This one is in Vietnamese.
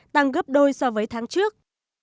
tăng gấp đôi so với tháng trước